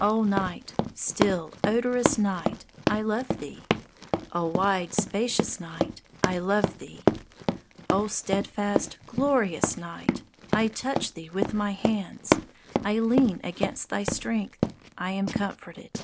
O Night, still, odorous Night, I love thee! O wide, spacious Night, I love thee! O steadfast, glorious Night! I touch thee with my hands; I lean against thy strength; I am comforted.